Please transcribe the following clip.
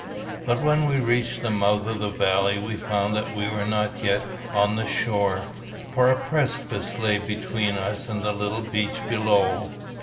But when we reached the mouth of the valley we found that we were not yet on the shore, for a precipice lay between us and the little beach below.